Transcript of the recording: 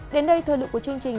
đến đây thơ lực của chương trình